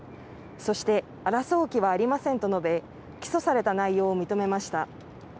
そして争う気はありませんと述べ起訴された内容を認めました。